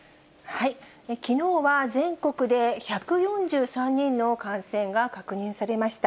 きのうは全国で１４３人の感染が確認されました。